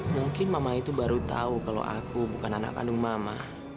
mungkin mama itu baru tahu kalau aku bukan anak kandung mama